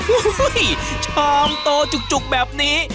โอ้โหชามโตจุกแบบนี้